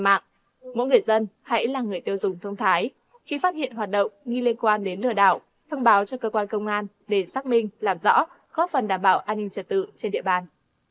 mỗi người dân hãy là người tiêu dùng thông thái khi phát hiện hoạt động nghi liên quan đến lừa đảo thông báo cho cơ quan công an để xác minh làm rõ góp phần đảm bảo an ninh trật tự trên địa bàn